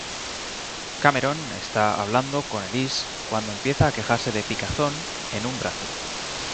Cameron está hablando con Elise cuando empieza a quejarse de picazón en un brazo.